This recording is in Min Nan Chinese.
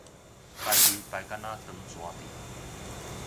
排隊排甲若長蛇陣